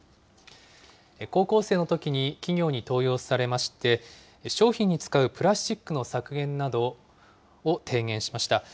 高校生のときに企業に登用されまして、商品に使うプラスチックの削減などを提言しました。